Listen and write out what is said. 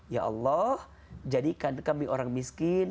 ya allah jadikan kami orang miskin